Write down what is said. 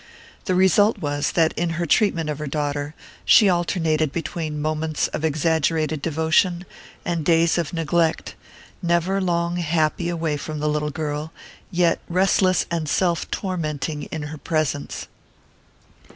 The result was that in her treatment of her daughter she alternated between moments of exaggerated devotion and days of neglect, never long happy away from the little girl, yet restless and self tormenting in her presence.